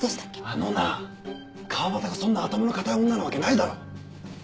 あのな川端がそんな頭の固い女なわけないだろ！